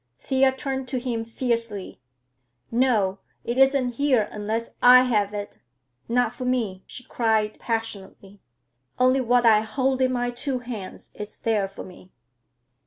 Thea turned to him fiercely. "No, it isn't here unless I have it—not for me," she cried passionately. "Only what I hold in my two hands is there for me!"